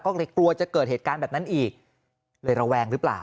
ก็เลยกลัวจะเกิดเหตุการณ์แบบนั้นอีกเลยระแวงหรือเปล่า